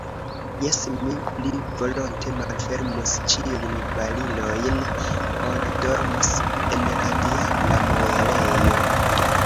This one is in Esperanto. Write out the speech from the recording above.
Jes, mi pli volonte malfermus ĉiujn barilojn, ol dormus en la diabla muelejo.